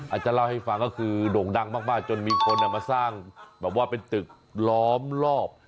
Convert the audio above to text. อาจจะเล่าให้ฟังก็คือโด่งดังมากจนมีคนมาสร้างแบบว่าเป็นตึกล้อมรอบ